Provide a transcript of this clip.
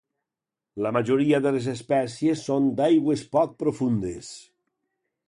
La majoria de les espècies són d'aigües poc profundes.